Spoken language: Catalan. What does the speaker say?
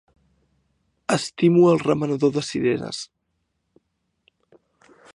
Estimo el remenador de cireres.